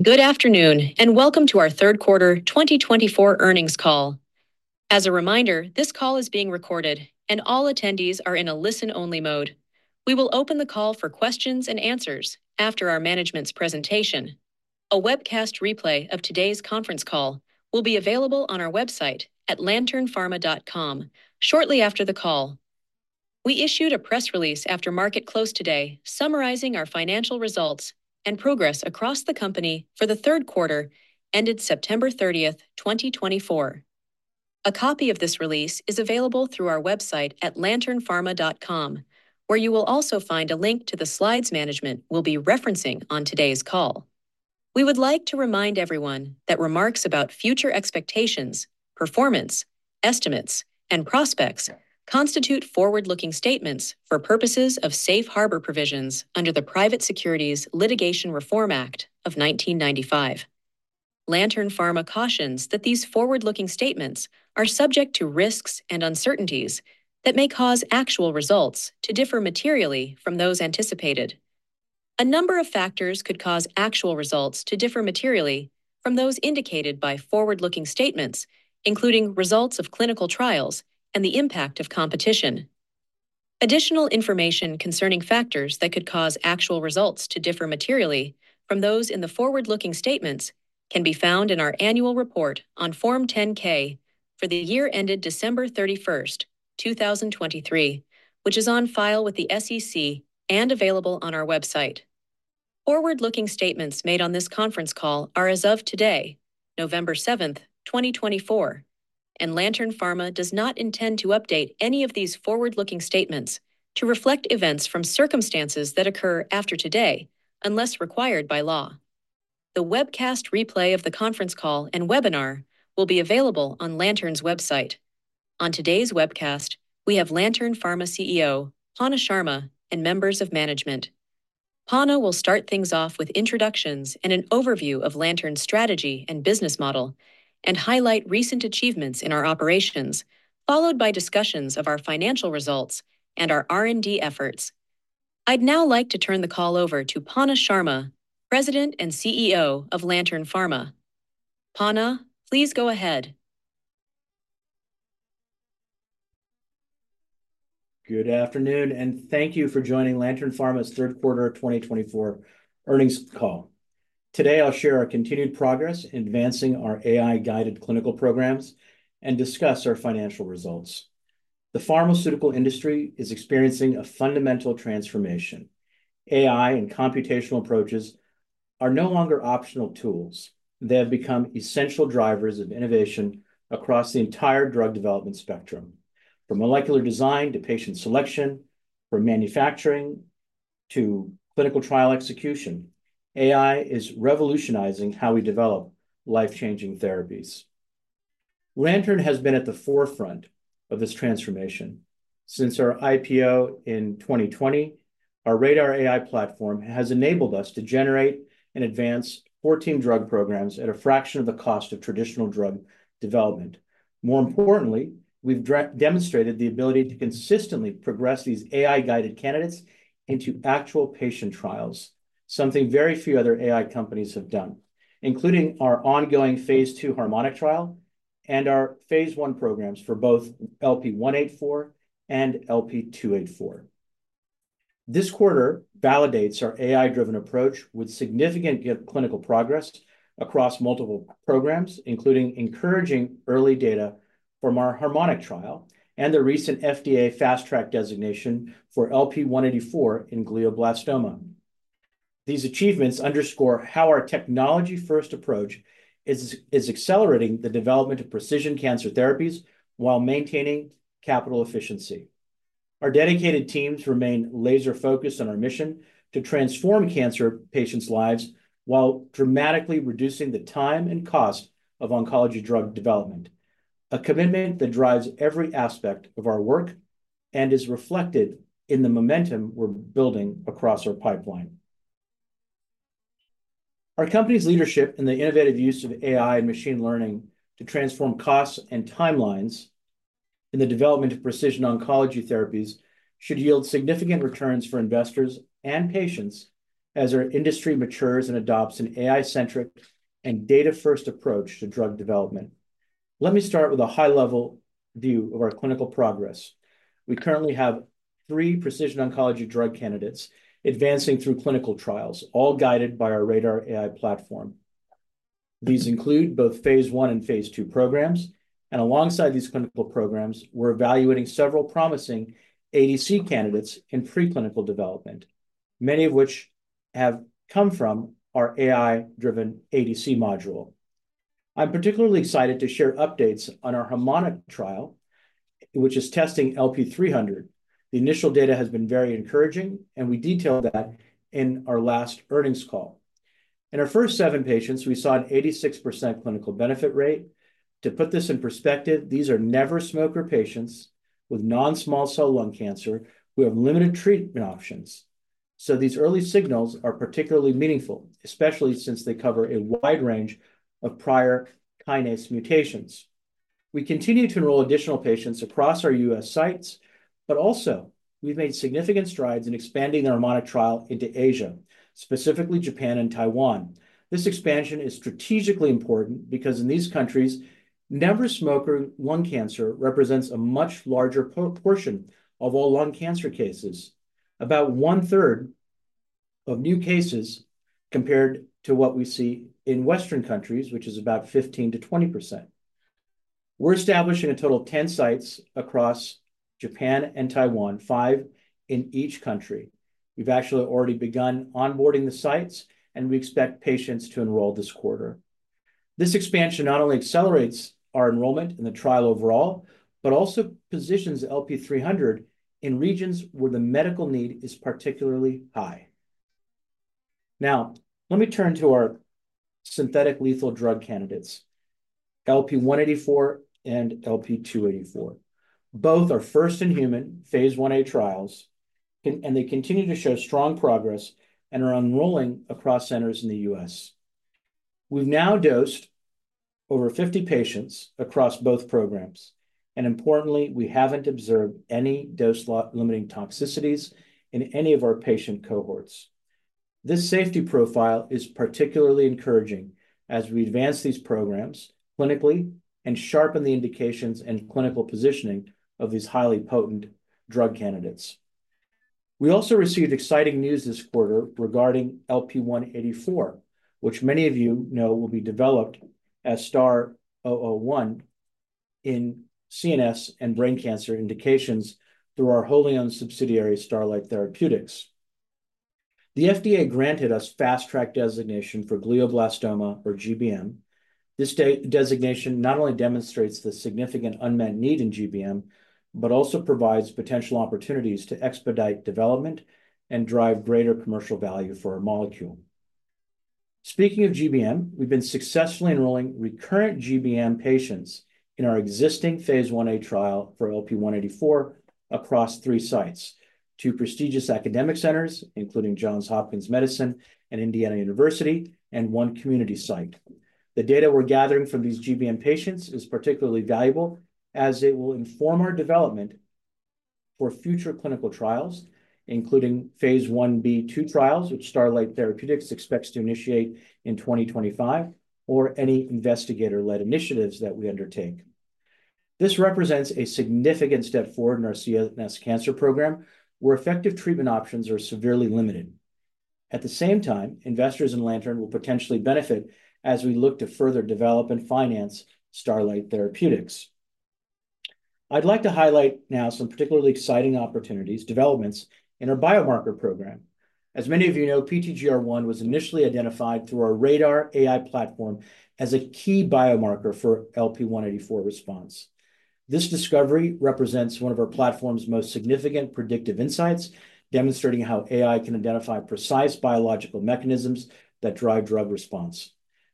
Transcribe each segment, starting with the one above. Good afternoon and welcome to our Q3 2024 earnings call. As a reminder, this call is being recorded, and all attendees are in a listen-only mode. We will open the call for questions and answers after our management's presentation. A webcast replay of today's conference call will be available on our website at lanternpharma.com shortly after the call. We issued a press release after market close today summarizing our financial results and progress across the company for the Q3 ended September 30, 2024. A copy of this release is available through our website at lanternpharma.com, where you will also find a link to the slides management will be referencing on today's call. We would like to remind everyone that remarks about future expectations, performance, estimates, and prospects constitute forward-looking statements for purposes of safe harbor provisions under the Private Securities Litigation Reform Act of 1995. Lantern Pharma cautions that these forward-looking statements are subject to risks and uncertainties that may cause actual results to differ materially from those anticipated. A number of factors could cause actual results to differ materially from those indicated by forward-looking statements, including results of clinical trials and the impact of competition. Additional information concerning factors that could cause actual results to differ materially from those in the forward-looking statements can be found in our annual report on Form 10-K for the year ended December 31, 2023, which is on file with the SEC and available on our website. Forward-looking statements made on this conference call are as of today, November 7, 2024, and Lantern Pharma does not intend to update any of these forward-looking statements to reflect events from circumstances that occur after today unless required by law. The webcast replay of the conference call and webinar will be available on Lantern's website. On today's webcast, we have Lantern Pharma CEO, Panna Sharma, and members of management. Panna will start things off with introductions and an overview of Lantern's strategy and business model, and highlight recent achievements in our operations, followed by discussions of our financial results and our R&D efforts. I'd now like to turn the call over to Panna Sharma, President and CEO of Lantern Pharma. Panna, please go ahead. Good afternoon, and thank you for joining Lantern Pharma's Q3 2024 earnings call. Today, I'll share our continued progress in advancing our AI-guided clinical programs and discuss our financial results. The pharmaceutical industry is experiencing a fundamental transformation. AI and computational approaches are no longer optional tools. They have become essential drivers of innovation across the entire drug development spectrum. From molecular design to patient selection, from manufacturing to clinical trial execution, AI is revolutionizing how we develop life-changing therapies. Lantern has been at the forefront of this transformation. Since our IPO in 2020, our RADR AI platform has enabled us to generate and advance 14 drug programs at a fraction of the cost of traditional drug development. More importantly, we've demonstrated the ability to consistently progress these AI-guided candidates into actual patient trials, something very few other AI companies have done, including our ongoing Phase 2 Harmonic trial and our Phase 1 programs for both LP-184 and LP-284. This quarter validates our AI-driven approach with significant clinical progress across multiple programs, including encouraging early data from our Harmonic trial and the recent FDA Fast Track designation for LP-184 in glioblastoma. These achievements underscore how our technology-first approach is accelerating the development of precision cancer therapies while maintaining capital efficiency. Our dedicated teams remain laser-focused on our mission to transform cancer patients' lives while dramatically reducing the time and cost of oncology drug development, a commitment that drives every aspect of our work and is reflected in the momentum we're building across our pipeline. Our company's leadership in the innovative use of AI and machine learning to transform costs and timelines in the development of precision oncology therapies should yield significant returns for investors and patients as our industry matures and adopts an AI-centric and data-first approach to drug development. Let me start with a high-level view of our clinical progress. We currently have three precision oncology drug candidates advancing through clinical trials, all guided by our RADR AI platform. These include both Phase 1 and Phase 2 programs, and alongside these clinical programs, we're evaluating several promising ADC candidates in preclinical development, many of which have come from our AI-driven ADC module. I'm particularly excited to share updates on our Harmonic trial, which is testing LP-300. The initial data has been very encouraging, and we detailed that in our last earnings call. In our first seven patients, we saw an 86% clinical benefit rate. To put this in perspective, these are never-smoker patients with non-small cell lung cancer who have limited treatment options. So these early signals are particularly meaningful, especially since they cover a wide range of prior kinase mutations. We continue to enroll additional patients across our U.S. sites, but also we've made significant strides in expanding the Harmonic trial into Asia, specifically Japan and Taiwan. This expansion is strategically important because in these countries, never-smoker lung cancer represents a much larger portion of all lung cancer cases, about one-third of new cases compared to what we see in Western countries, which is about 15%-20%. We're establishing a total of 10 sites across Japan and Taiwan, five in each country. We've actually already begun onboarding the sites, and we expect patients to enroll this quarter. This expansion not only accelerates our enrollment in the trial overall, but also positions LP-300 in regions where the medical need is particularly high. Now, let me turn to our synthetic lethal drug candidates, LP-184 and LP-284. Both are first-in-human Phase 1a trials, and they continue to show strong progress and are enrolling across centers in the U.S. We've now dosed over 50 patients across both programs, and importantly, we haven't observed any dose-limiting toxicities in any of our patient cohorts. This safety profile is particularly encouraging as we advance these programs clinically and sharpen the indications and clinical positioning of these highly potent drug candidates. We also received exciting news this quarter regarding LP-184, which many of you know will be developed as STAR-001 in CNS and brain cancer indications through our wholly-owned subsidiary Starlight Therapeutics. The FDA granted us Fast-Track designation for glioblastoma, or GBM. This designation not only demonstrates the significant unmet need in GBM, but also provides potential opportunities to expedite development and drive greater commercial value for our molecule. Speaking of GBM, we've been successfully enrolling recurrent GBM patients in our existing Phase 1a trial for LP-184 across three sites, two prestigious academic centers, including Johns Hopkins Medicine and Indiana University, and one community site. The data we're gathering from these GBM patients is particularly valuable as it will inform our development for future clinical trials, including Phase 1b/2 trials, which Starlight Therapeutics expects to initiate in 2025, or any investigator-led initiatives that we undertake. This represents a significant step forward in our CNS cancer program, where effective treatment options are severely limited. At the same time, investors in Lantern will potentially benefit as we look to further develop and finance Starlight Therapeutics. I'd like to highlight now some particularly exciting opportunities, developments in our biomarker program. As many of you know, PTGR1 was initially identified through our RADR AI platform as a key biomarker for LP-184 response. This discovery represents one of our platform's most significant predictive insights, demonstrating how AI can identify precise biological mechanisms that drive drug response.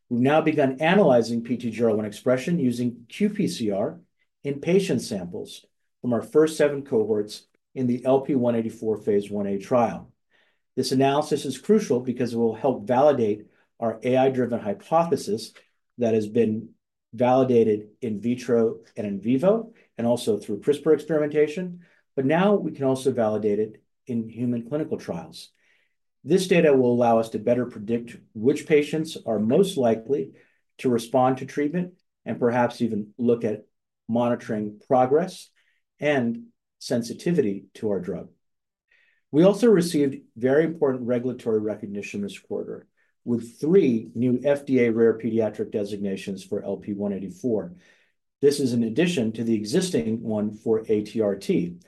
We've now begun analyzing PTGR1 expression using qPCR in patient samples from our first seven cohorts in the LP-184 Phase 1a trial. This analysis is crucial because it will help validate our AI-driven hypothesis that has been validated in vitro and in vivo and also through CRISPR experimentation, but now we can also validate it in human clinical trials. This data will allow us to better predict which patients are most likely to respond to treatment and perhaps even look at monitoring progress and sensitivity to our drug. We also received very important regulatory recognition this quarter with three new FDA rare pediatric designations for LP-184. This is in addition to the existing one for ATRT.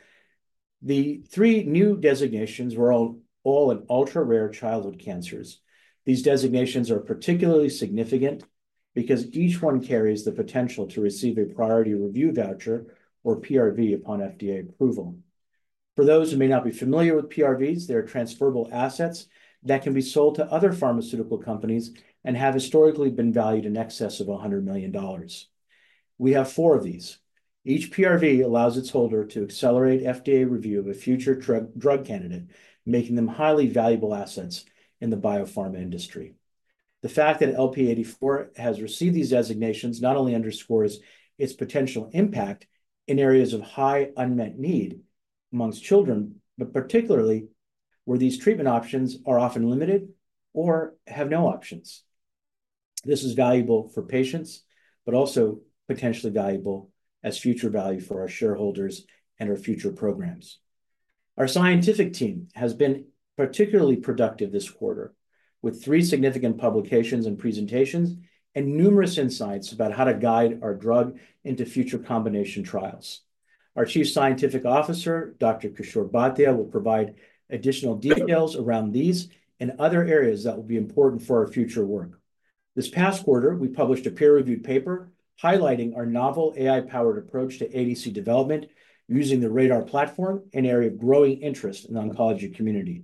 The three new designations were all in ultra-rare childhood cancers. These designations are particularly significant because each one carries the potential to receive a Priority Review Voucher or PRV upon FDA approval. For those who may not be familiar with PRVs, they are transferable assets that can be sold to other pharmaceutical companies and have historically been valued in excess of $100 million. We have four of these. Each PRV allows its holder to accelerate FDA review of a future drug candidate, making them highly valuable assets in the biopharma industry. The fact that LP-184 has received these designations not only underscores its potential impact in areas of high unmet need among children, but particularly where these treatment options are often limited or have no options. This is valuable for patients, but also potentially valuable as future value for our shareholders and our future programs. Our scientific team has been particularly productive this quarter with three significant publications and presentations and numerous insights about how to guide our drug into future combination trials. Our Chief Scientific Officer, Dr. Kishor Bhatia, will provide additional details around these and other areas that will be important for our future work. This past quarter, we published a peer-reviewed paper highlighting our novel AI-powered approach to ADC development using the RADR platform, an area of growing interest in the oncology community.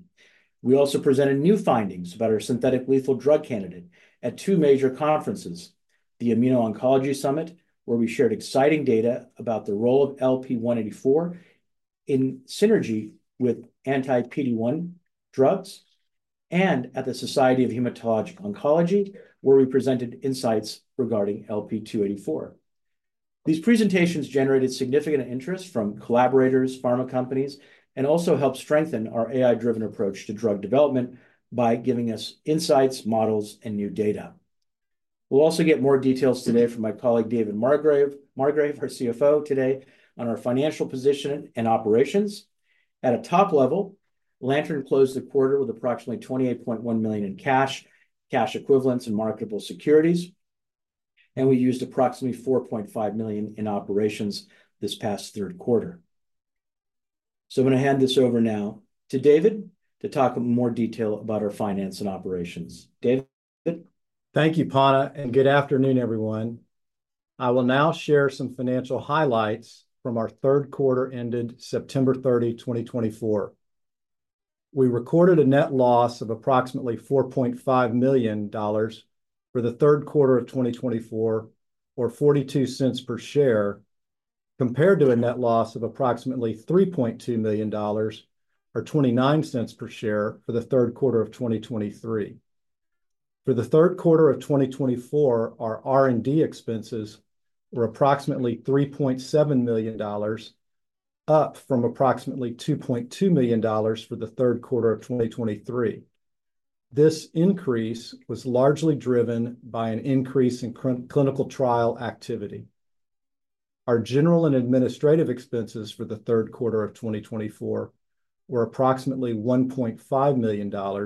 We also presented new findings about our synthetic lethal drug candidate at two major conferences, the Immuno-Oncology Summit, where we shared exciting data about the role of LP-184 in synergy with anti-PD-1 drugs, and at the Society of Hematologic Oncology, where we presented insights regarding LP-284. These presentations generated significant interest from collaborators, pharma companies, and also helped strengthen our AI-driven approach to drug development by giving us insights, models, and new data. We'll also get more details today from my colleague, David Margrave, our CFO, today on our financial position and operations. At a top level, Lantern closed the quarter with approximately $28.1 million in cash, cash equivalents, and marketable securities, and we used approximately $4.5 million in operations this past Q3. So I'm going to hand this over now to David to talk in more detail about our finance and operations. David. Thank you, Panna, and good afternoon, everyone. I will now share some financial highlights from our Q3 ended September 30, 2024. We recorded a net loss of approximately $4.5 million for the Q3 of 2024, or $0.42 per share, compared to a net loss of approximately $3.2 million, or $0.29 per share for the Q3 of 2023. For the Q3 of 2024, our R&D expenses were approximately $3.7 million, up from approximately $2.2 million for the Q3 of 2023. This increase was largely driven by an increase in clinical trial activity. Our general and administrative expenses for the Q3 of 2024 were approximately $1.5 million,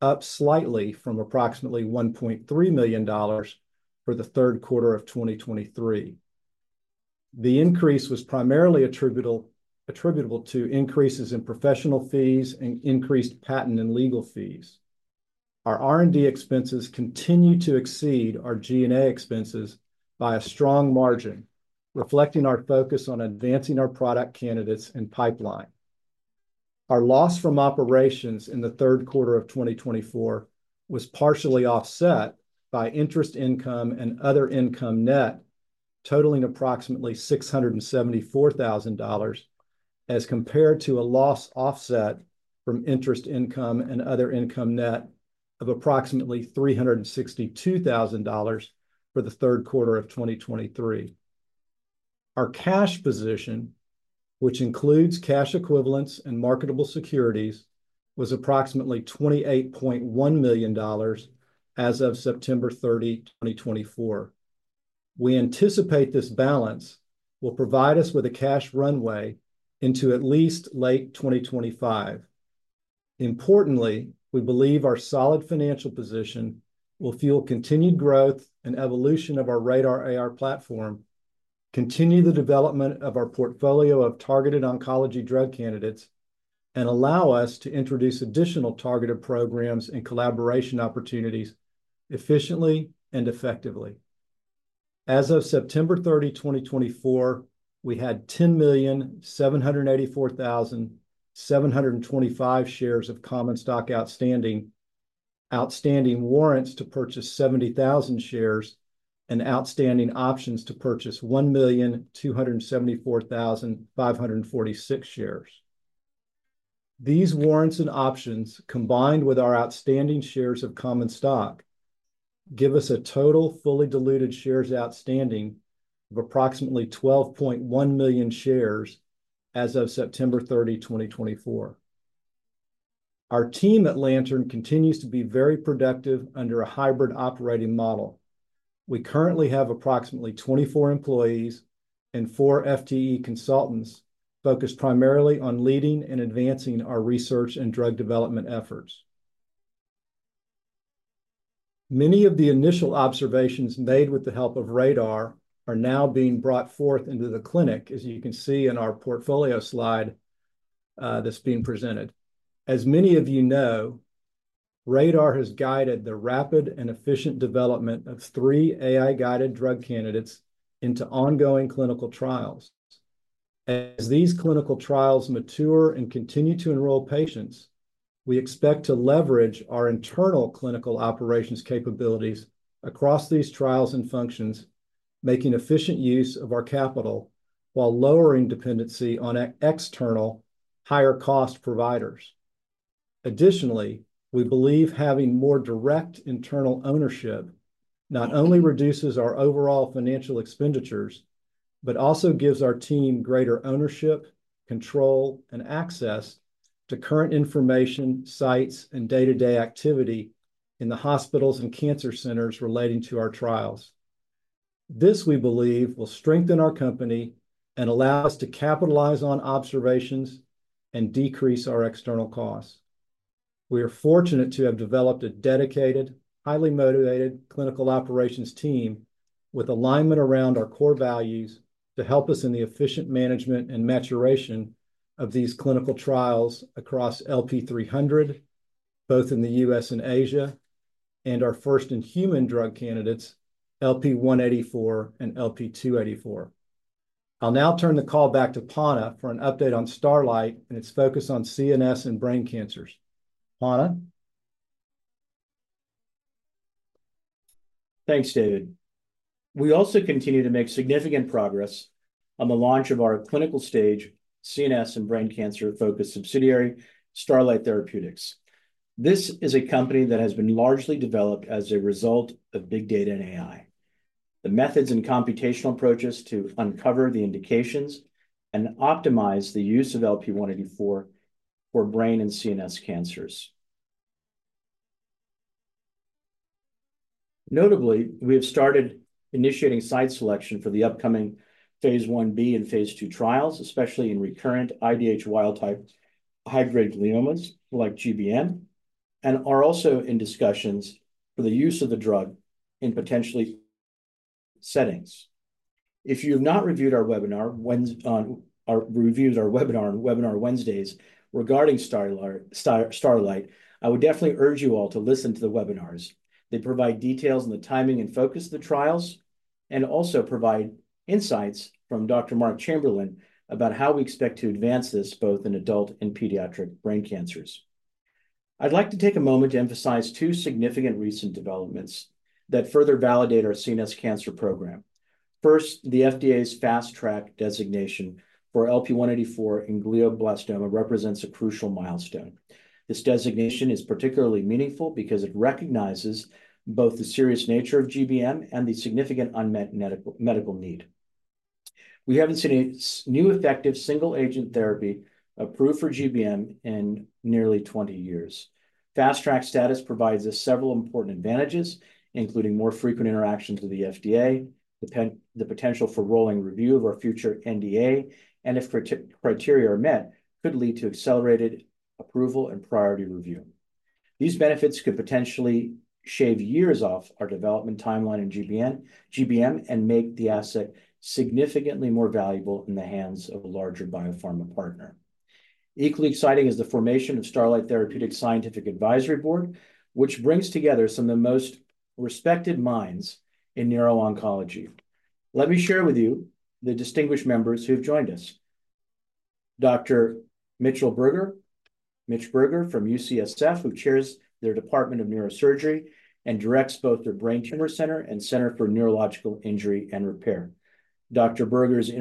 up slightly from approximately $1.3 million for the Q3 of 2023. The increase was primarily attributable to increases in professional fees and increased patent and legal fees. Our R&D expenses continue to exceed our G&A expenses by a strong margin, reflecting our focus on advancing our product candidates and pipeline. Our loss from operations in the Q3 of 2024 was partially offset by interest income and other income net, totaling approximately $674,000, as compared to a loss offset from interest income and other income net of approximately $362,000 for the Q3 of 2023. Our cash position, which includes cash equivalents and marketable securities, was approximately $28.1 million as of September 30, 2024. We anticipate this balance will provide us with a cash runway into at least late 2025. Importantly, we believe our solid financial position will fuel continued growth and evolution of our RADR AI platform, continue the development of our portfolio of targeted oncology drug candidates, and allow us to introduce additional targeted programs and collaboration opportunities efficiently and effectively. As of September 30, 2024, we had 10,784,725 shares of common stock outstanding, warrants to purchase 70,000 shares, and outstanding options to purchase 1,274,546 shares. These warrants and options, combined with our outstanding shares of common stock, give us a total fully diluted shares outstanding of approximately 12.1 million shares as of September 30, 2024. Our team at Lantern continues to be very productive under a hybrid operating model. We currently have approximately 24 employees and four FTE consultants focused primarily on leading and advancing our research and drug development efforts. Many of the initial observations made with the help of RADR are now being brought forth into the clinic, as you can see in our portfolio slide that's being presented. As many of you know, RADR has guided the rapid and efficient development of three AI-guided drug candidates into ongoing clinical trials. As these clinical trials mature and continue to enroll patients, we expect to leverage our internal clinical operations capabilities across these trials and functions, making efficient use of our capital while lowering dependency on external, higher-cost providers. Additionally, we believe having more direct internal ownership not only reduces our overall financial expenditures, but also gives our team greater ownership, control, and access to current information, sites, and day-to-day activity in the hospitals and cancer centers relating to our trials. This, we believe, will strengthen our company and allow us to capitalize on observations and decrease our external costs. We are fortunate to have developed a dedicated, highly motivated clinical operations team with alignment around our core values to help us in the efficient management and maturation of these clinical trials across LP-300, both in the U.S. and Asia, and our first-in-human drug candidates, LP-184 and LP-284. I'll now turn the call back to Panna for an update on Starlight and its focus on CNS and brain cancers. Panna. Thanks, David. We also continue to make significant progress on the launch of our clinical stage CNS and brain cancer-focused subsidiary, Starlight Therapeutics. This is a company that has been largely developed as a result of big data and AI, the methods and computational approaches to uncover the indications and optimize the use of LP-184 for brain and CNS cancers. Notably, we have started initiating site selection for the upcoming Phase 1b and Phase 2 trials, especially in recurrent IDH wild-type high-grade gliomas like GBM, and are also in discussions for the use of the drug in potentially new settings. If you have not reviewed our webinar on Webinar Wednesdays regarding Starlight, I would definitely urge you all to listen to the webinars. They provide details on the timing and focus of the trials and also provide insights from Dr. Marc Chamberlain about how we expect to advance this both in adult and pediatric brain cancers. I'd like to take a moment to emphasize two significant recent developments that further validate our CNS cancer program. First, the FDA's Fast Track designation for LP-184 in glioblastoma represents a crucial milestone. This designation is particularly meaningful because it recognizes both the serious nature of GBM and the significant unmet medical need. We haven't seen a new effective single-agent therapy approved for GBM in nearly 20 years. Fast Track status provides us several important advantages, including more frequent interactions with the FDA, the potential for rolling review of our future NDA, and if criteria are met, could lead to accelerated approval and priority review. These benefits could potentially shave years off our development timeline in GBM and make the asset significantly more valuable in the hands of a larger biopharma partner. Equally exciting is the formation of Starlight Therapeutics' Scientific Advisory Board, which brings together some of the most respected minds in neuro-oncology. Let me share with you the distinguished members who have joined us: Dr. Mitchel Berger, Mitch Berger from UCSF, who chairs their Department of Neurosurgery and directs both their Brain Tumor Center and Center for Neurological Injury and Repair. Dr. Lisa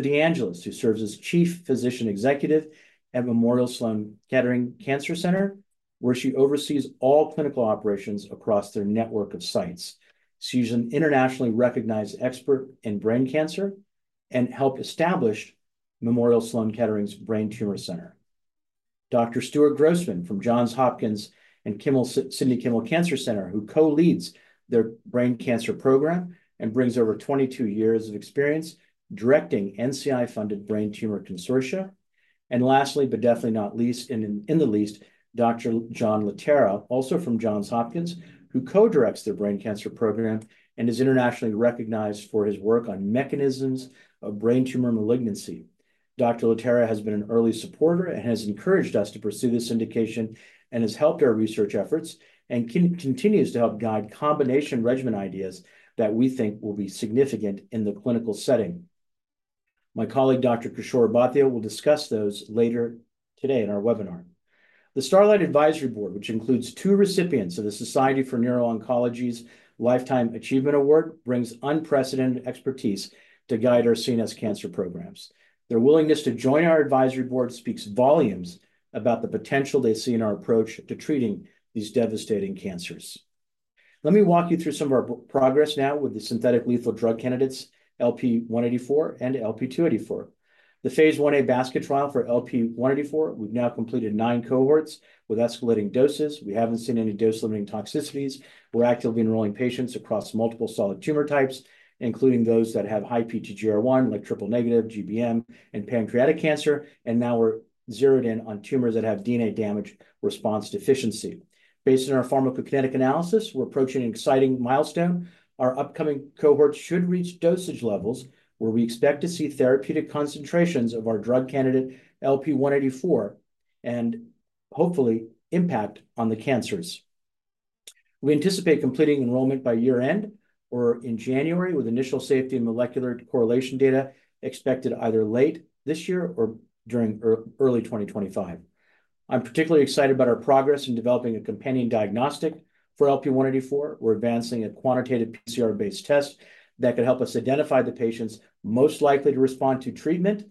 DeAngelis, who serves as Chief Physician Executive at Memorial Sloan Kettering Cancer Center, where she oversees all clinical operations across their network of sites. She's an internationally recognized expert in brain cancer and helped establish Memorial Sloan Kettering's Brain Tumor Center. Dr. Stuart Grossman from Johns Hopkins and Sidney Kimmel Cancer Center, who co-leads their brain cancer program and brings over 22 years of experience directing NCI-funded brain tumor consortia. Lastly, but definitely not least, Dr. John Laterra, also from Johns Hopkins, who co-directs their brain cancer program and is internationally recognized for his work on mechanisms of brain tumor malignancy. Dr. Laterra has been an early supporter and has encouraged us to pursue this indication and has helped our research efforts and continues to help guide combination regimen ideas that we think will be significant in the clinical setting. My colleague, Dr. Kishor Bhatia, will discuss those later today in our webinar. The Starlight Advisory Board, which includes two recipients of the Society for Neuro-Oncology's Lifetime Achievement Award, brings unprecedented expertise to guide our CNS cancer programs. Their willingness to join our advisory board speaks volumes about the potential they see in our approach to treating these devastating cancers. Let me walk you through some of our progress now with the synthetic lethal drug candidates, LP-184 and LP-284. The Phase 1a basket trial for LP-184, we've now completed nine cohorts with escalating doses. We haven't seen any dose-limiting toxicities. We're actively enrolling patients across multiple solid tumor types, including those that have high PTGR1, like triple-negative GBM and pancreatic cancer, and now we're zeroed in on tumors that have DNA damage response deficiency. Based on our pharmacokinetic analysis, we're approaching an exciting milestone. Our upcoming cohorts should reach dosage levels where we expect to see therapeutic concentrations of our drug candidate LP-184 and hopefully impact on the cancers. We anticipate completing enrollment by year-end or in January with initial safety and molecular correlation data expected either late this year or during early 2025. I'm particularly excited about our progress in developing a companion diagnostic for LP-184. We're advancing a quantitative PCR-based test that could help us identify the patients most likely to respond to treatment,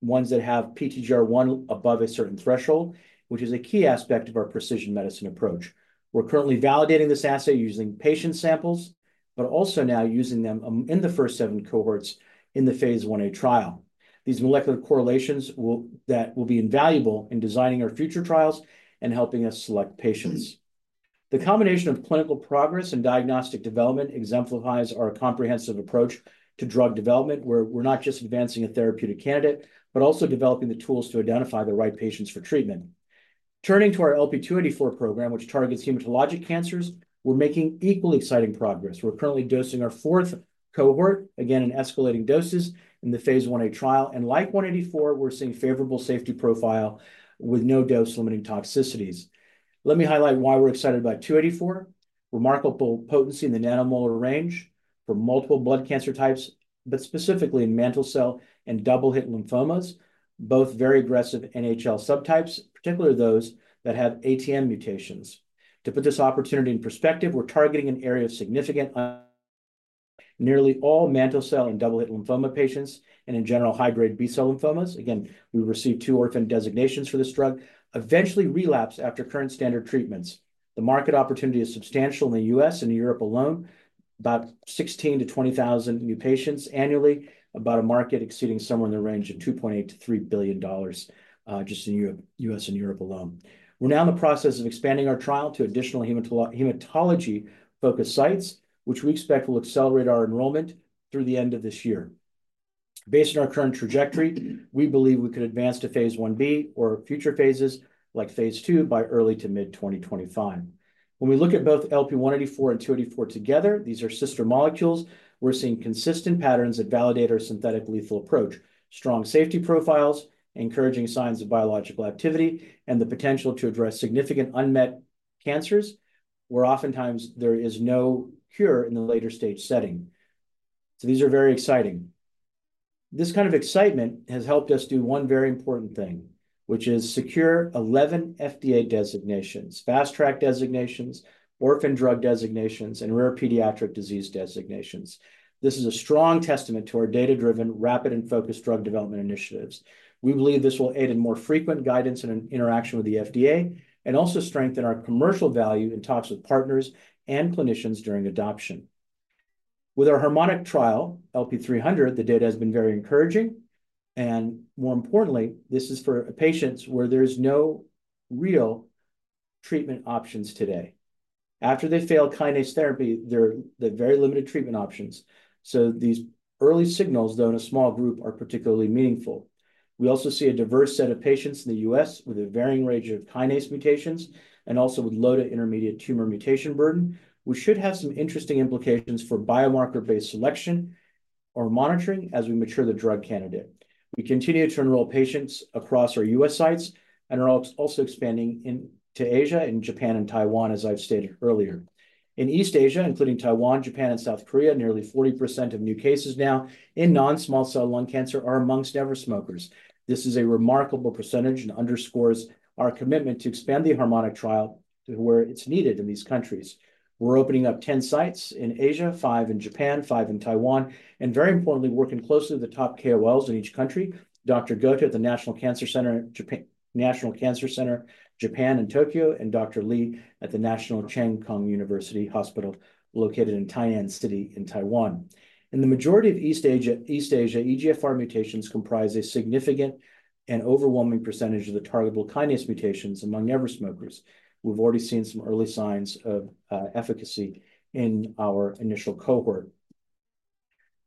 ones that have PTGR1 above a certain threshold, which is a key aspect of our precision medicine approach. We're currently validating this assay using patient samples, but also now using them in the first seven cohorts in the Phase 1a trial. These molecular correlations will be invaluable in designing our future trials and helping us select patients. The combination of clinical progress and diagnostic development exemplifies our comprehensive approach to drug development, where we're not just advancing a therapeutic candidate, but also developing the tools to identify the right patients for treatment. Turning to our LP-284 program, which targets hematologic cancers, we're making equally exciting progress. We're currently dosing our fourth cohort, again in escalating doses in the Phase 1a trial. And like LP-184, we're seeing favorable safety profile with no dose-limiting toxicities. Let me highlight why we're excited about LP-284: remarkable potency in the nanomolar range for multiple blood cancer types, but specifically in mantle cell and double-hit lymphomas, both very aggressive NHL subtypes, particularly those that have ATM mutations. To put this opportunity in perspective, we're targeting an area of significant nearly all mantle cell and double-hit lymphoma patients and, in general, high-grade B-cell lymphomas. Again, we received two orphan designations for this drug, eventually relapse after current standard treatments. The market opportunity is substantial in the U.S. and Europe alone, about 16,000-20,000 new patients annually, about a market exceeding somewhere in the range of $2.8-$3 billion just in the U.S. and Europe alone. We're now in the process of expanding our trial to additional hematology-focused sites, which we expect will accelerate our enrollment through the end of this year. Based on our current trajectory, we believe we could advance to Phase 1b or future Phases like Phase 2 by early to mid-2025. When we look at both LP-184 and LP-284 together, these are sister molecules, we're seeing consistent patterns that validate our synthetic lethal approach, strong safety profiles, encouraging signs of biological activity, and the potential to address significant unmet cancers where oftentimes there is no cure in the later-stage setting. So these are very exciting. This kind of excitement has helped us do one very important thing, which is secure 11 FDA designations, Fast Track designations, Orphan Drug designations, and Rare Pediatric Disease designations. This is a strong testament to our data-driven, rapid, and focused drug development initiatives. We believe this will aid in more frequent guidance and interaction with the FDA and also strengthen our commercial value in talks with partners and clinicians during adoption. With our Harmonic trial, LP-300, the data has been very encouraging, and more importantly, this is for patients where there's no real treatment options today. After they fail kinase therapy, they're very limited treatment options, so these early signals, though in a small group, are particularly meaningful. We also see a diverse set of patients in the U.S. with a varying range of kinase mutations and also with low to intermediate tumor mutation burden, which should have some interesting implications for biomarker-based selection or monitoring as we mature the drug candidate. We continue to enroll patients across our U.S. sites and are also expanding into Asia and Japan and Taiwan, as I've stated earlier. In East Asia, including Taiwan, Japan, and South Korea, nearly 40% of new cases now in non-small cell lung cancer are among never-smokers. This is a remarkable percentage and underscores our commitment to expand the Harmonic trial to where it's needed in these countries. We're opening up 10 sites in Asia, five in Japan, five in Taiwan, and very importantly, working closely with the top KOLs in each country, Dr. Goto at the National Cancer Center Japan in Tokyo, and Dr. Li at the National Cheng Kung University Hospital located in Tainan City in Taiwan. In the majority of East Asia, EGFR mutations comprise a significant and overwhelming percentage of the targetable kinase mutations among never-smokers. We've already seen some early signs of efficacy in our initial cohort.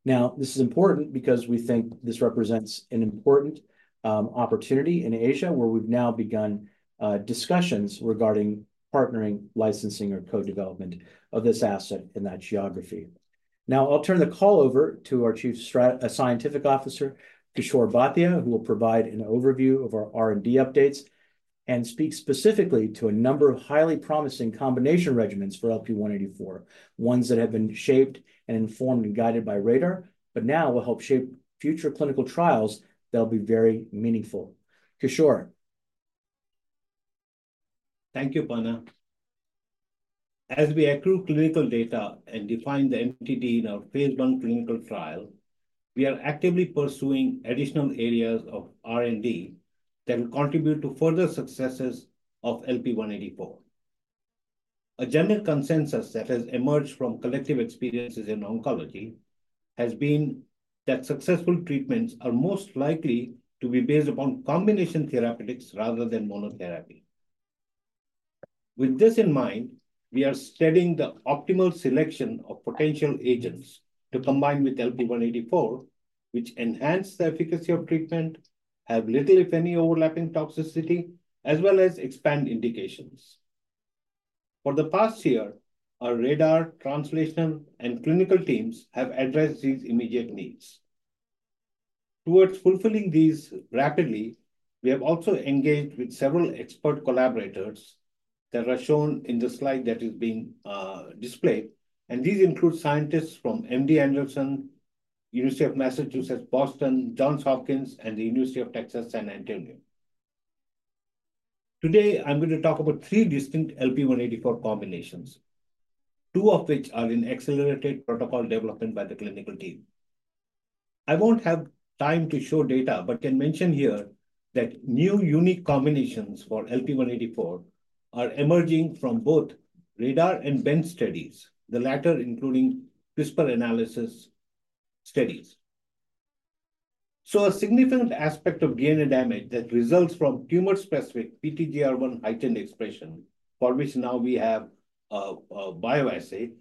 Now, this is important because we think this represents an important opportunity in Asia where we've now begun discussions regarding partnering, licensing, or co-development of this asset in that geography. Now, I'll turn the call over to our Chief Scientific Officer, Kishor Bhatia, who will provide an overview of our R&D updates and speak specifically to a number of highly promising combination regimens for LP-184, ones that have been shaped and informed and guided by RADR, but now will help shape future clinical trials that'll be very meaningful. Kishor. Thank you, Panna. As we accrue clinical data and define the MTD in our Phase 1 clinical trial, we are actively pursuing additional areas of R&D that will contribute to further successes of LP-184. A general consensus that has emerged from collective experiences in oncology has been that successful treatments are most likely to be based upon combination therapeutics rather than monotherapy. With this in mind, we are studying the optimal selection of potential agents to combine with LP-184, which enhance the efficacy of treatment, have little, if any, overlapping toxicity, as well as expand indications. For the past year, our RADR, translational, and clinical teams have addressed these immediate needs. Towards fulfilling these rapidly, we have also engaged with several expert collaborators that are shown in the slide that is being displayed. These include scientists from MD Anderson, University of Massachusetts Boston, Johns Hopkins, and the University of Texas San Antonio. Today, I'm going to talk about three distinct LP-184 combinations, two of which are in accelerated protocol development by the clinical team. I won't have time to show data, but can mention here that new unique combinations for LP-184 are emerging from both RADR and bench studies, the latter including CRISPR analysis studies. So a significant aspect of DNA damage that results from tumor-specific PTGR1 heightened expression, for which now we have a bioassay,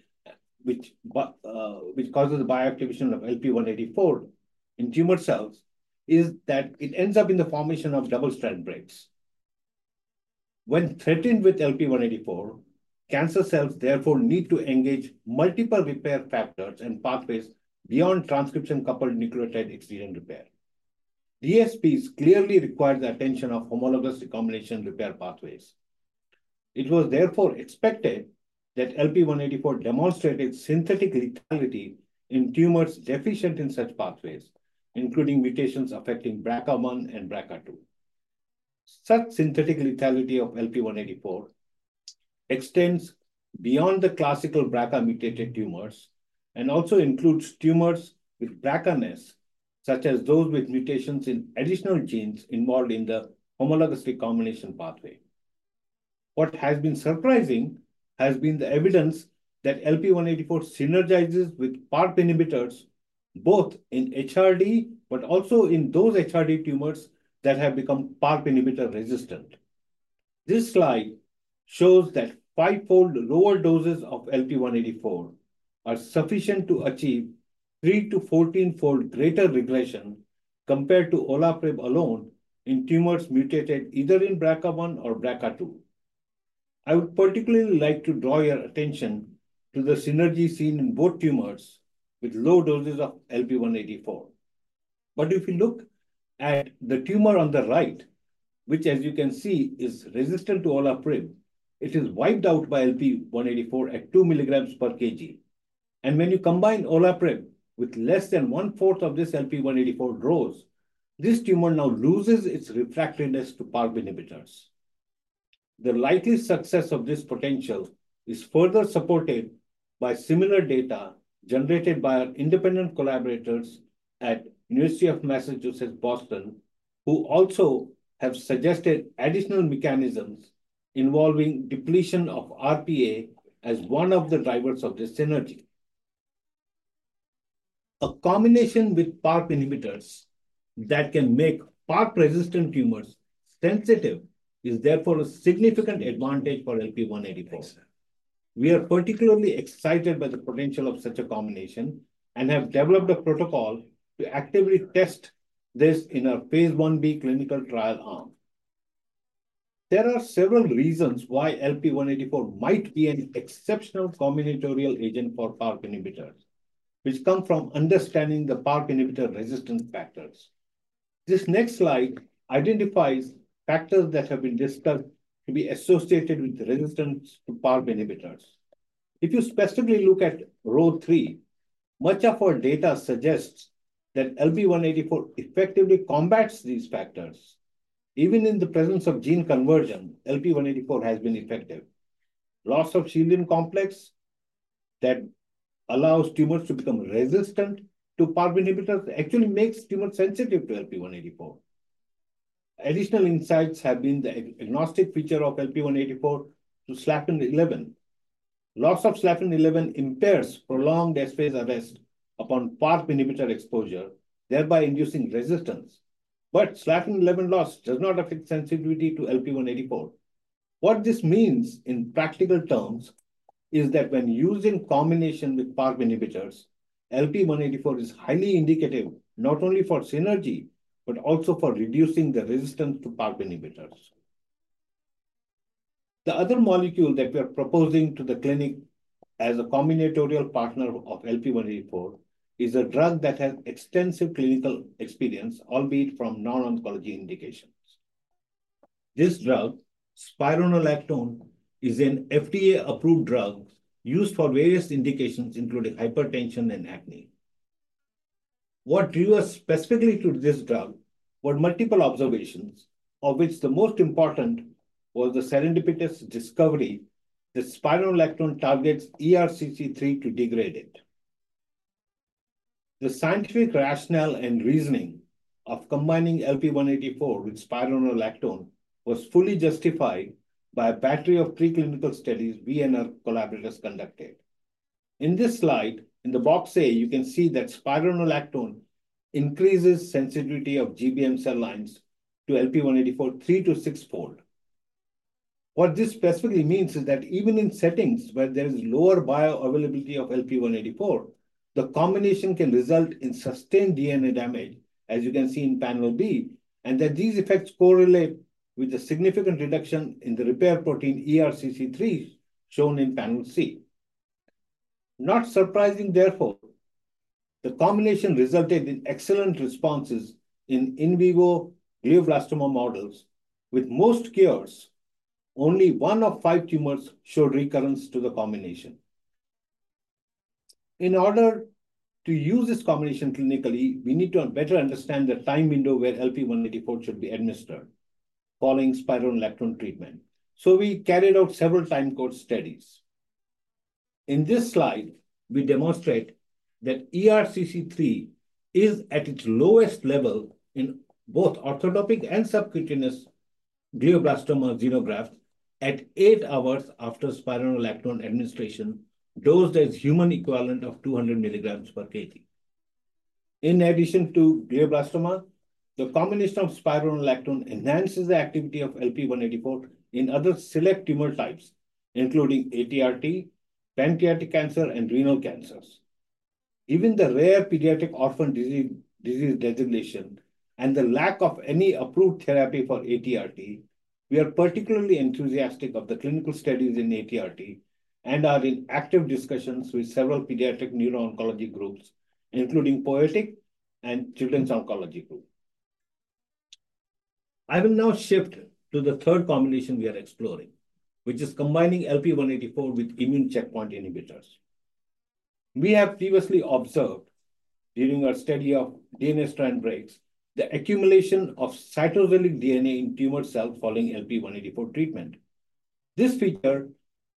which causes the bioactivation of LP-184 in tumor cells, is that it ends up in the formation of double-strand breaks. When threatened with LP-184, cancer cells therefore need to engage multiple repair factors and pathways beyond transcription-coupled nucleotide excision repair. DSBs clearly require the attention of homologous recombination repair pathways. It was therefore expected that LP-184 demonstrated synthetic lethality in tumors deficient in such pathways, including mutations affecting BRCA1 and BRCA2. Such synthetic lethality of LP-184 extends beyond the classical BRCA-mutated tumors and also includes tumors with BRCA-ness, such as those with mutations in additional genes involved in the homologous recombination pathway. What has been surprising has been the evidence that LP-184 synergizes with PARP inhibitors both in HRD, but also in those HRD tumors that have become PARP inhibitor resistant. This slide shows that five-fold lower doses of LP-184 are sufficient to achieve 3-fold to 14-fold greater regression compared to olaparib alone in tumors mutated either in BRCA1 or BRCA2. I would particularly like to draw your attention to the synergy seen in both tumors with low doses of LP-184. If you look at the tumor on the right, which, as you can see, is resistant to olaparib, it is wiped out by LP-184 at 2 mg per kg. When you combine olaparib with less than one-fourth of this LP-184 dose, this tumor now loses its refractoriness to PARP inhibitors. The likely success of this potential is further supported by similar data generated by our independent collaborators at the University of Massachusetts Boston, who also have suggested additional mechanisms involving depletion of RPA as one of the drivers of this synergy. A combination with PARP inhibitors that can make PARP-resistant tumors sensitive is therefore a significant advantage for LP-184. We are particularly excited by the potential of such a combination and have developed a protocol to actively test this in our Phase 1b clinical trial arm. There are several reasons why LP-184 might be an exceptional combinatorial agent for PARP inhibitors, which come from understanding the PARP inhibitor resistance factors. This next slide identifies factors that have been discussed to be associated with resistance to PARP inhibitors. If you specifically look at row three, much of our data suggests that LP-184 effectively combats these factors. Even in the presence of gene conversion, LP-184 has been effective. Loss of Shieldin complex that allows tumors to become resistant to PARP inhibitors actually makes tumors sensitive to LP-184. Additional insights have been the agnostic feature of LP-184 to SLFN11. Loss of SLFN11 impairs prolonged S-phase arrest upon PARP inhibitor exposure, thereby inducing resistance. But SLFN11 loss does not affect sensitivity to LP-184. What this means in practical terms is that when used in combination with PARP inhibitors, LP-184 is highly indicative not only for synergy, but also for reducing the resistance to PARP inhibitors. The other molecule that we are proposing to the clinic as a combinatorial partner of LP-184 is a drug that has extensive clinical experience, albeit from non-oncology indications. This drug, spironolactone, is an FDA-approved drug used for various indications, including hypertension and acne. What drew us specifically to this drug were multiple observations, of which the most important was the serendipitous discovery that spironolactone targets ERCC3 to degrade it. The scientific rationale and reasoning of combining LP-184 with spironolactone was fully justified by a battery of preclinical studies we and our collaborators conducted. In this slide, in the box A, you can see that spironolactone increases sensitivity of GBM cell lines to LP-184 three to six-fold. What this specifically means is that even in settings where there is lower bioavailability of LP-184, the combination can result in sustained DNA damage, as you can see in panel B, and that these effects correlate with a significant reduction in the repair protein ERCC3 shown in panel C. Not surprising, therefore, the combination resulted in excellent responses in vivo glioblastoma models. With most cures, only one of five tumors showed recurrence to the combination. In order to use this combination clinically, we need to better understand the time window where LP-184 should be administered following spironolactone treatment. So we carried out several time course studies. In this slide, we demonstrate that ERCC3 is at its lowest level in both orthotopic and subcutaneous glioblastoma xenograft at eight hours after spironolactone administration, dosed as human equivalent of 200 mg per kg. In addition to glioblastoma, the combination of spironolactone enhances the activity of LP-184 in other select tumor types, including ATRT, pancreatic cancer, and renal cancers. Given the rare pediatric orphan disease designation and the lack of any approved therapy for ATRT, we are particularly enthusiastic about the clinical studies in ATRT and are in active discussions with several pediatric neuro-oncology groups, including POETIC and Children's Oncology Group. I will now shift to the third combination we are exploring, which is combining LP-184 with immune checkpoint inhibitors. We have previously observed during our study of DNA strand breaks the accumulation of cytosolic DNA in tumor cells following LP-184 treatment. This feature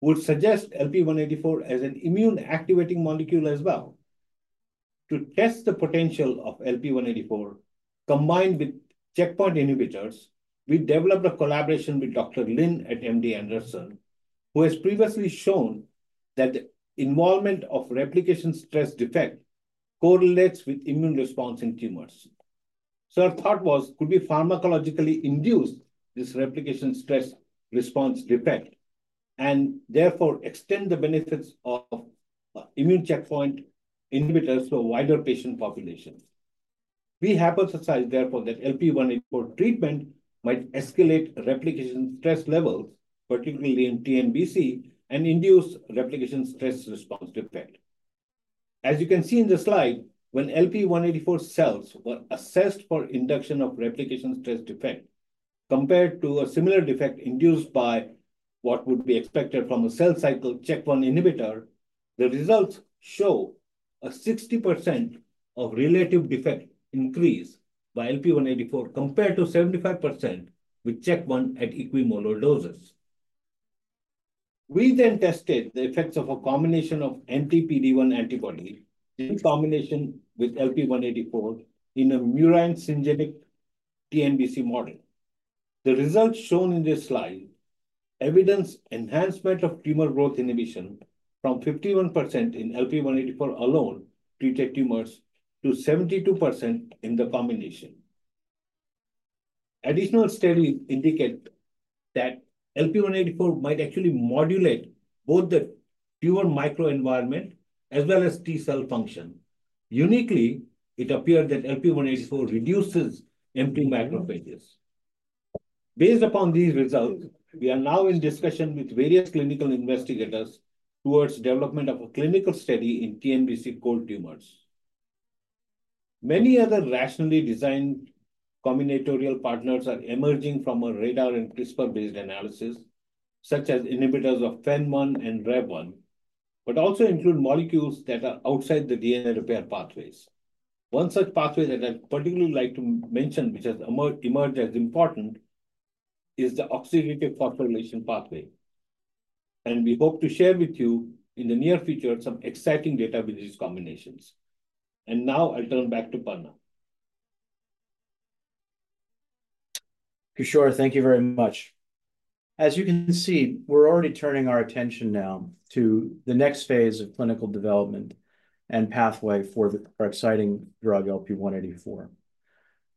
would suggest LP-184 as an immune activating molecule as well. To test the potential of LP-184 combined with checkpoint inhibitors, we developed a collaboration with Dr. Lin at MD Anderson, who has previously shown that the involvement of replication stress defect correlates with immune response in tumors. Our thought was, could we pharmacologically induce this replication stress response defect and therefore extend the benefits of immune checkpoint inhibitors to a wider patient population? We hypothesized, therefore, that LP-184 treatment might escalate replication stress levels, particularly in TNBC, and induce replication stress response defect. As you can see in the slide, when LP-184 cells were assessed for induction of replication stress defect compared to a similar defect induced by what would be expected from a cell cycle checkpoint inhibitor, the results show a 60% of relative defect increase by LP-184 compared to 75% with checkpoint at equimolar doses. We then tested the effects of a combination of anti-PD-1 antibody in combination with LP-184 in a murine syngeneic TNBC model. The results shown in this slide evidence enhancement of tumor growth inhibition from 51% in LP-184 alone treated tumors to 72% in the combination. Additional studies indicate that LP-184 might actually modulate both the tumor microenvironment as well as T-cell function. Uniquely, it appeared that LP-184 reduces empty macrophages. Based upon these results, we are now in discussion with various clinical investigators towards development of a clinical study in TNBC cold tumors. Many other rationally designed combinatorial partners are emerging from a RADR and CRISPR-based analysis, such as inhibitors of FEN-1 and REV1, but also include molecules that are outside the DNA repair pathways. One such pathway that I'd particularly like to mention, which has emerged as important, is the oxidative phosphorylation pathway, and we hope to share with you in the near future some exciting data with these combinations. Now I'll turn back to Panna. Kishor, thank you very much. As you can see, we're already turning our attention now to the next phase of clinical development and pathway for our exciting drug, LP-184.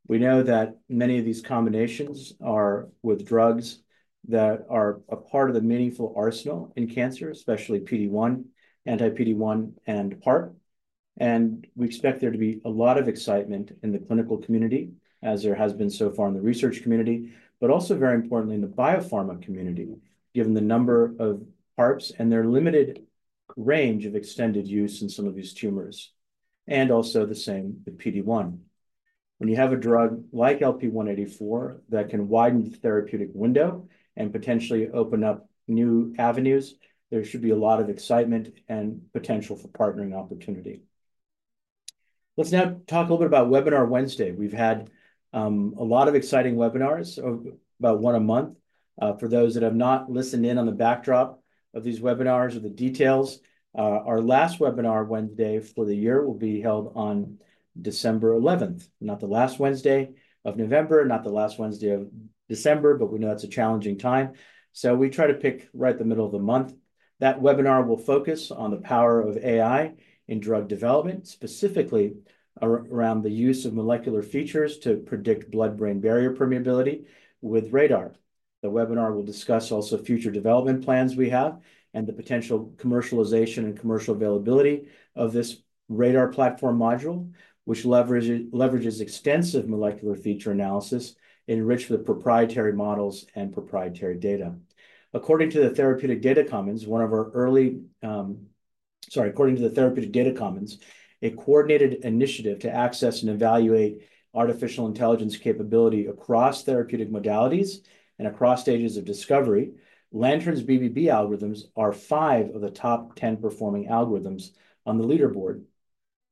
We know that many of these combinations are with drugs that are a part of the meaningful arsenal in cancer, especially PD-1, anti-PD-1, and PARP, and we expect there to be a lot of excitement in the clinical community, as there has been so far in the research community, but also, very importantly, in the biopharma community, given the number of PARPs and their limited range of extended use in some of these tumors, and also the same with PD-1. When you have a drug like LP-184 that can widen the therapeutic window and potentially open up new avenues, there should be a lot of excitement and potential for partnering opportunity. Let's now talk a little bit about Webinar Wednesday. We've had a lot of exciting webinars about one a month. For those that have not listened in on the backdrop of these webinars or the details, our last Webinar Wednesday for the year will be held on December 11th, not the last Wednesday of November, not the last Wednesday of December, but we know that's a challenging time. So we try to pick right the middle of the month. That webinar will focus on the power of AI in drug development, specifically around the use of molecular features to predict blood-brain barrier permeability with RADR. The webinar will discuss also future development plans we have and the potential commercialization and commercial availability of this RADR platform module, which leverages extensive molecular feature analysis enriched with proprietary models and proprietary data. According to the Therapeutic Data Commons, a coordinated initiative to access and evaluate artificial intelligence capability across therapeutic modalities and across stages of discovery, Lantern's BBB algorithms are five of the top 10 performing algorithms on the leaderboard.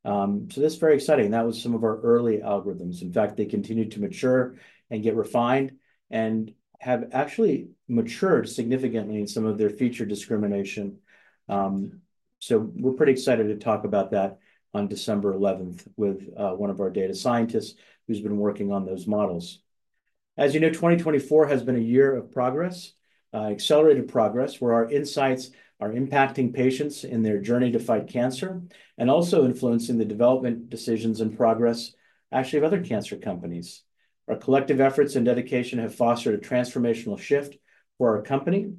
So that's very exciting. That was some of our early algorithms. In fact, they continued to mature and get refined and have actually matured significantly in some of their feature discrimination. So we're pretty excited to talk about that on December 11th with one of our data scientists who's been working on those models. As you know, 2024 has been a year of progress, accelerated progress, where our insights are impacting patients in their journey to fight cancer and also influencing the development decisions and progress actually of other cancer companies. Our collective efforts and dedication have fostered a transformational shift for our company,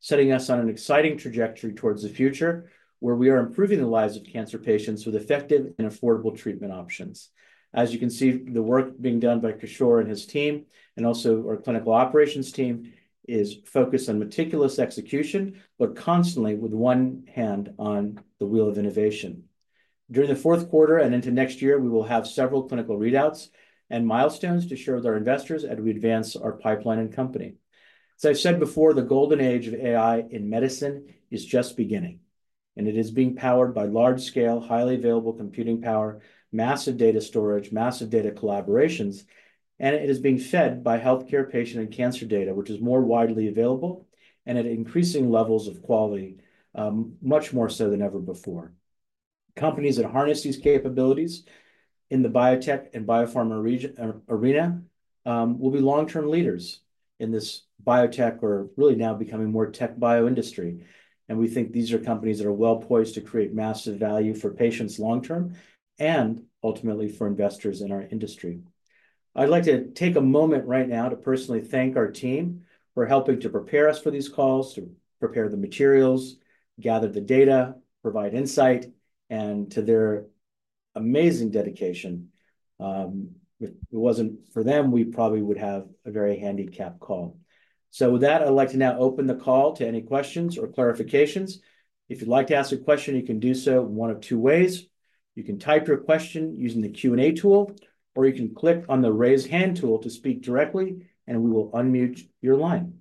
setting us on an exciting trajectory towards the future where we are improving the lives of cancer patients with effective and affordable treatment options. As you can see, the work being done by Kishor and his team and also our clinical operations team is focused on meticulous execution, but constantly with one hand on the wheel of innovation. During the Q4 and into next year, we will have several clinical readouts and milestones to share with our investors as we advance our pipeline and company. As I've said before, the golden age of AI in medicine is just beginning, and it is being powered by large-scale, highly available computing power, massive data storage, massive data collaborations, and it is being fed by healthcare patient and cancer data, which is more widely available and at increasing levels of quality, much more so than ever before. Companies that harness these capabilities in the biotech and biopharma arena will be long-term leaders in this biotech, or really now becoming more tech bio industry. We think these are companies that are well poised to create massive value for patients long-term and ultimately for investors in our industry. I'd like to take a moment right now to personally thank our team for helping to prepare us for these calls, to prepare the materials, gather the data, provide insight, and to their amazing dedication. If it wasn't for them, we probably would have a very handicapped call. So with that, I'd like to now open the call to any questions or clarifications. If you'd like to ask a question, you can do so in one of two ways. You can type your question using the Q&A tool, or you can click on the raise hand tool to speak directly, and we will unmute your line.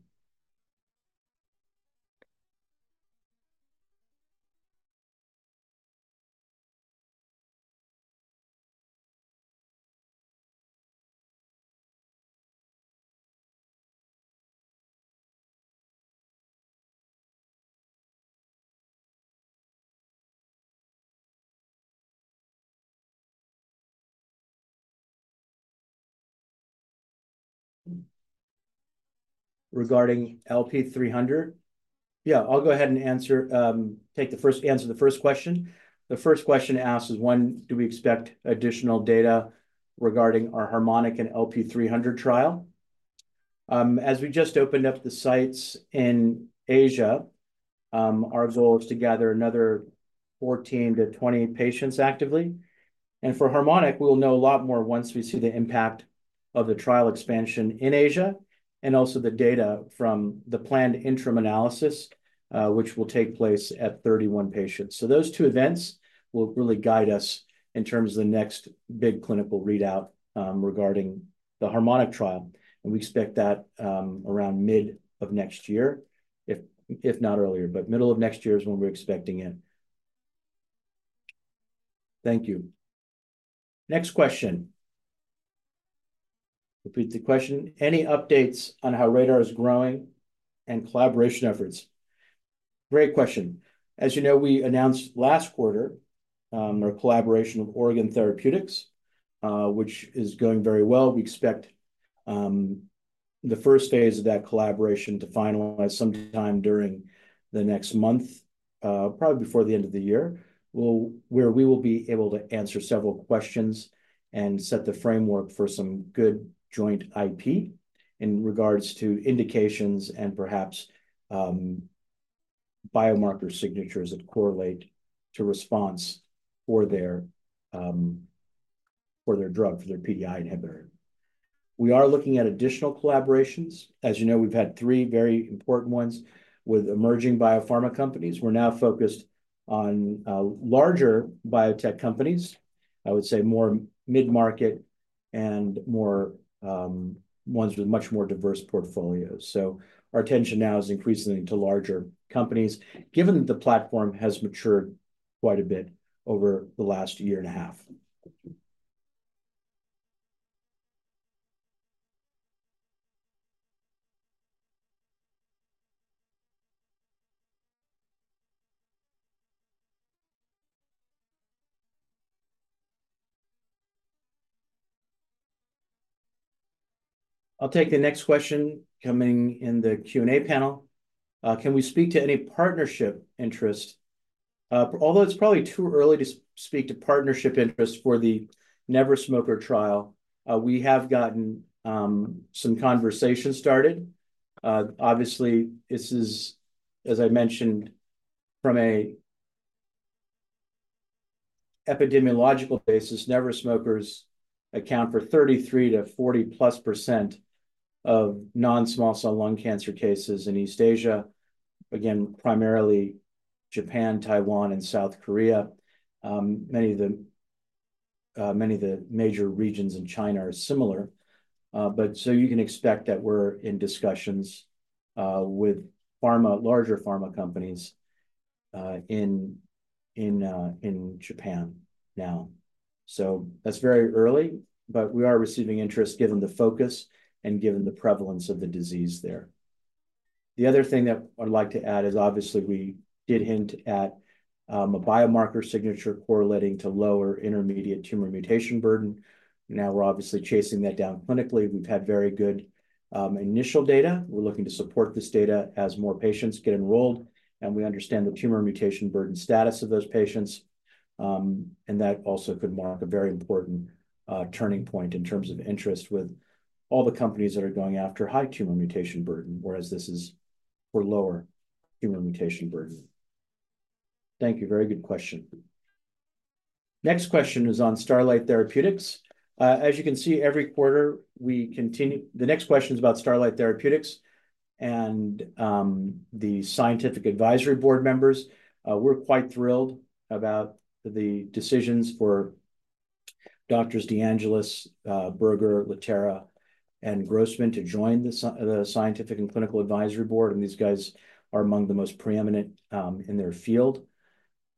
Regarding LP-300, yeah, I'll go ahead and answer the first question. The first question asked is, when do we expect additional data regarding our Harmonic and LP-300 trial? As we just opened up the sites in Asia, our goal is to gather another 14-20 patients actively. And for Harmonic, we'll know a lot more once we see the impact of the trial expansion in Asia and also the data from the planned interim analysis, which will take place at 31 patients. So those two events will really guide us in terms of the next big clinical readout regarding the Harmonic trial. And we expect that around mid of next year, if not earlier, but middle of next year is when we're expecting it. Thank you. Next question. Repeat the question. Any updates on how RADR is growing and collaboration efforts? Great question. As you know, we announced last quarter our collaboration with Oregon Therapeutics, which is going very well. We expect the first phase of that collaboration to finalize sometime during the next month, probably before the end of the year, where we will be able to answer several questions and set the framework for some good joint IP in regards to indications and perhaps biomarker signatures that correlate to response for their drug, for their PDI inhibitor. We are looking at additional collaborations. As you know, we've had three very important ones with emerging biopharma companies. We're now focused on larger biotech companies, I would say more mid-market and more ones with much more diverse portfolios. So our attention now is increasingly to larger companies, given that the platform has matured quite a bit over the last year and a half. I'll take the next question coming in the Q&A panel. Can we speak to any partnership interest? Although it's probably too early to speak to partnership interest for the Never Smoker trial, we have gotten some conversation started. Obviously, this is, as I mentioned, from an epidemiological basis. Never Smokers account for 33%-40% plus of non-small cell lung cancer cases in East Asia, again, primarily Japan, Taiwan, and South Korea. Many of the major regions in China are similar, but so you can expect that we're in discussions with pharma, larger pharma companies in Japan now, so that's very early, but we are receiving interest given the focus and given the prevalence of the disease there. The other thing that I'd like to add is, obviously, we did hint at a biomarker signature correlating to lower intermediate tumor mutation burden. Now we're obviously chasing that down clinically. We've had very good initial data. We're looking to support this data as more patients get enrolled. And we understand the tumor mutation burden status of those patients. And that also could mark a very important turning point in terms of interest with all the companies that are going after high tumor mutation burden, whereas this is for lower tumor mutation burden. Thank you. Very good question. Next question is on Starlight Therapeutics. As you can see, every quarter, we continue the scientific advisory board members. We're quite thrilled about the decisions for Doctors DeAngelis, Berger, Laterra, and Grossman to join the scientific and clinical advisory board. And these guys are among the most preeminent in their field.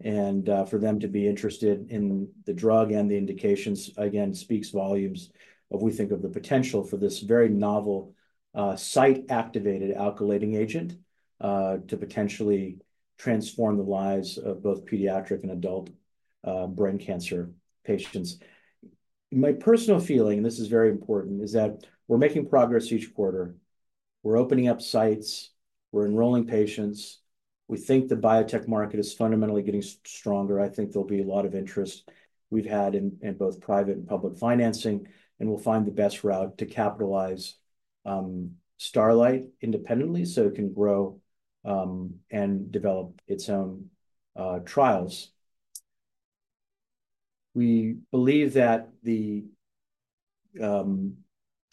And for them to be interested in the drug and the indications, again, speaks volumes of we think of the potential for this very novel site-activated alkylating agent to potentially transform the lives of both pediatric and adult brain cancer patients. My personal feeling, and this is very important, is that we're making progress each quarter. We're opening up sites. We're enrolling patients. We think the biotech market is fundamentally getting stronger. I think there'll be a lot of interest. We've had in both private and public financing, and we'll find the best route to capitalize Starlight independently so it can grow and develop its own trials. We believe that the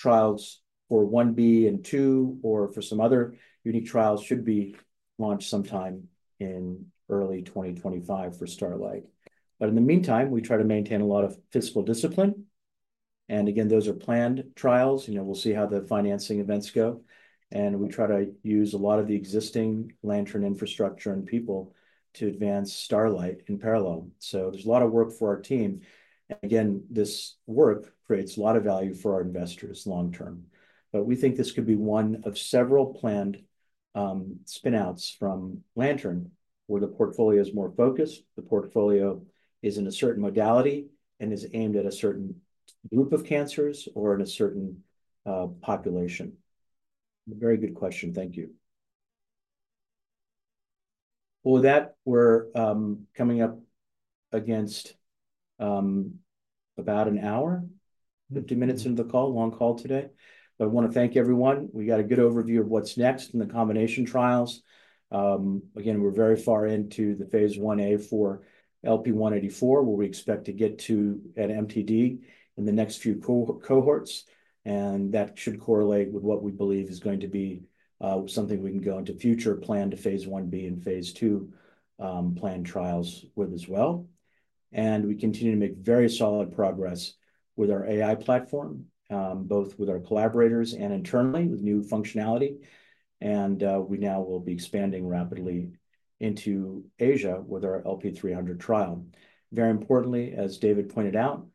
trials for 1b and 2 or for some other unique trials should be launched sometime in early 2025 for Starlight, but in the meantime, we try to maintain a lot of fiscal discipline, and again, those are planned trials. We'll see how the financing events go, and we try to use a lot of the existing Lantern infrastructure and people to advance Starlight in parallel, so there's a lot of work for our team. And again, this work creates a lot of value for our investors long-term. But we think this could be one of several planned spinouts from Lantern where the portfolio is more focused. The portfolio is in a certain modality and is aimed at a certain group of cancers or in a certain population. Very good question. Thank you. Well, with that, we're coming up against about an hour, 50 minutes into the call, long call today. But I want to thank everyone. We got a good overview of what's next in the combination trials. Again, we're very far into the Phase 1a for LP-184, where we expect to get to an MTD in the next few cohorts. And that should correlate with what we believe is going to be something we can go into future planned Phase 1b and Phase 2 planned trials with as well. We continue to make very solid progress with our AI platform, both with our collaborators and internally with new functionality. We now will be expanding rapidly into Asia with our LP-300 trial. Very importantly, as David pointed out,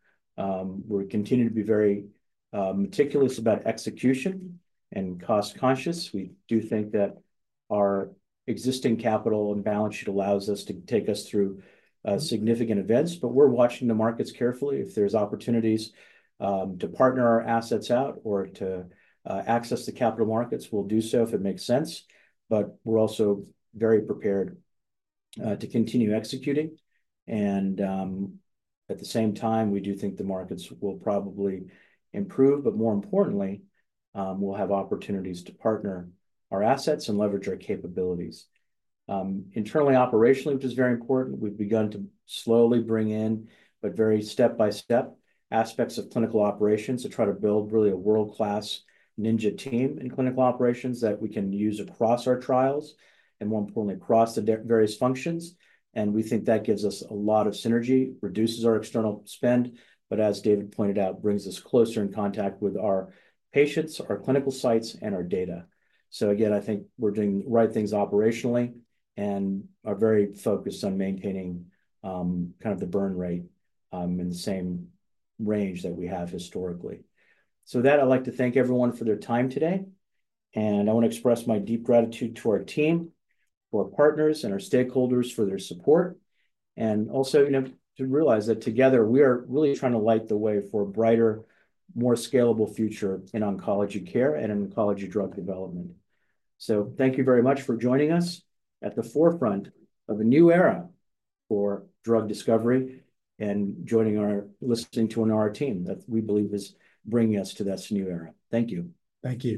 we continue to be very meticulous about execution and cost-conscious. We do think that our existing capital and balance sheet allows us to take us through significant events. We're watching the markets carefully. If there's opportunities to partner our assets out or to access the capital markets, we'll do so if it makes sense. We're also very prepared to continue executing. At the same time, we do think the markets will probably improve. More importantly, we'll have opportunities to partner our assets and leverage our capabilities. Internally, operationally, which is very important, we've begun to slowly bring in, but very step-by-step, aspects of clinical operations to try to build really a world-class ninja team in clinical operations that we can use across our trials and, more importantly, across the various functions. And we think that gives us a lot of synergy, reduces our external spend, but as David pointed out, brings us closer in contact with our patients, our clinical sites, and our data. So again, I think we're doing the right things operationally and are very focused on maintaining kind of the burn rate in the same range that we have historically. So with that, I'd like to thank everyone for their time today. And I want to express my deep gratitude to our team, to our partners, and our stakeholders for their support. And also, to realize that together, we are really trying to light the way for a brighter, more scalable future in oncology care and in oncology drug development. So thank you very much for joining us at the forefront of a new era for drug discovery and joining us in listening to our team that we believe is bringing us to this new era. Thank you. Thank you.